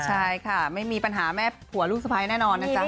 ใช่ค่ะไม่มีปัญหาแม่ผัวลูกสะพ้ายแน่นอนนะจ๊ะ